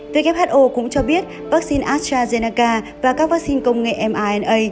who cũng cho biết vaccine astrazeneca và các vaccine công nghệ mrna